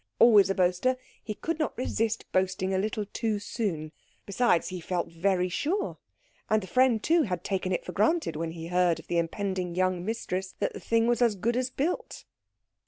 Always a boaster, he could not resist boasting a little too soon. Besides, he felt very sure; and the friend, too, had taken it for granted, when he heard of the impending young mistress, that the thing was as good as built.